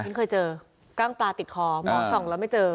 ฉันเคยเจอกล้างปลาติดคอมองส่องแล้วไม่เจอ